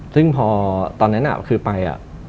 ซึ่งพอตอนนั้นคือไป